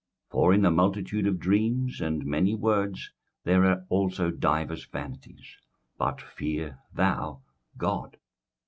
21:005:007 For in the multitude of dreams and many words there are also divers vanities: but fear thou God.